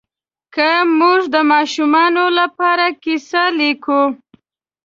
که موږ د ماشومانو لپاره کیسه لیکو